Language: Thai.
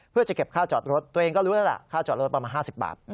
เพื่อจะเก็บค่าจอดรถตัวเองก็รู้แล้วล่ะค่าจอดรถประมาณ๕๐บาท